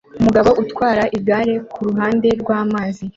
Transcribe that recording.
Umugabo utwara igare kuruhande rwamazi